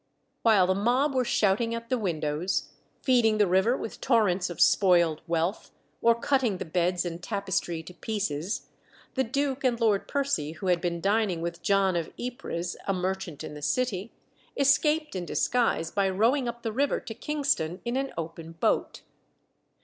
While the mob were shouting at the windows, feeding the river with torrents of spoiled wealth, or cutting the beds and tapestry to pieces, the duke and Lord Percy, who had been dining with John of Ypres, a merchant in the City, escaped in disguise by rowing up the river to Kingston in an open boat.